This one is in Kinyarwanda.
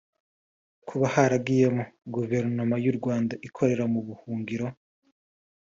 kuba haragiyeho Guverinoma y’u Rwanda ikorera mu buhungiro